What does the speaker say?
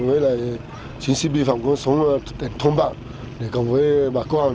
với lại chính sĩ biên phòng cũng xuống thôn bản để cộng với bà quang